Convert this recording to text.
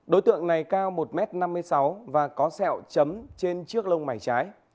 đối tượng này cao một m năm mươi sáu và có sẹo chấm trên chiếc lông mái trái